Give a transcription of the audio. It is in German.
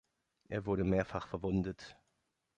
Er wurde mehrfach verwundet.